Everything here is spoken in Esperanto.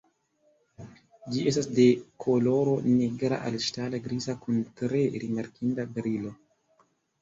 Ĝi estas de koloro nigra al ŝtala griza kun tre rimarkinda brilo.